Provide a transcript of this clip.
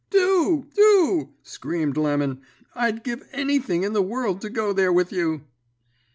"'Do, do!' screamed Lemon. 'I'd give anything in the world to go there with you!'